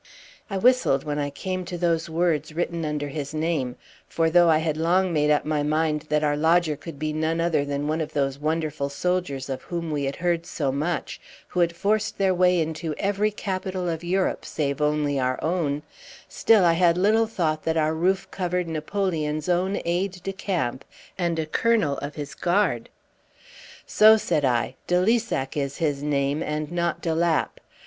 I whistled when I came to those words written under his name; for though I had long made up my mind that our lodger could be none other than one of those wonderful soldiers of whom we had heard so much, who had forced their way into every capital of Europe, save only our own, still I had little thought that our roof covered Napoleon's own aide de camp and a colonel of his Guard. "So," said I, "de Lissac is his name, and not de Lapp.